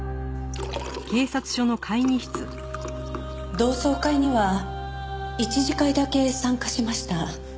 同窓会には一次会だけ参加しました。